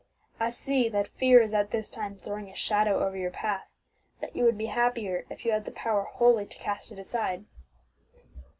I see that fear is at this time throwing a shadow over your path; that you would be happier if you had the power wholly to cast it aside."